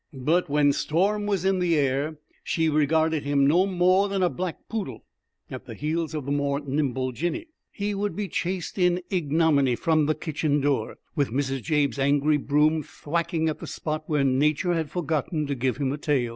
But when storm was in the air, she regarded him no more than a black poodle. At the heels of the more nimble Jinny, he would be chased in ignominy from the kitchen door, with Mrs. Jabe's angry broom thwacking at the spot where Nature had forgotten to give him a tail.